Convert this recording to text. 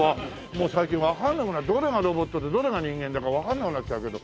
もう最近わかんなくなってどれがロボットでどれが人間だかわかんなくなっちゃうけど。